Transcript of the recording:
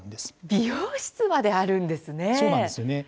美容室まであるんですね。